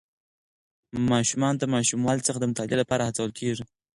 ماشومان د ماشوموالي څخه د مطالعې لپاره هڅول کېږي.